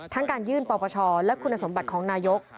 การยื่นปปชและคุณสมบัติของนายก